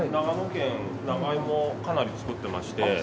長野県長芋かなり作ってまして。